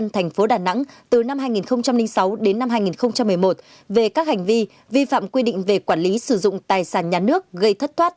thành phố đà nẵng từ năm hai nghìn sáu đến năm hai nghìn một mươi một về các hành vi vi phạm quy định về quản lý sử dụng tài sản nhà nước gây thất thoát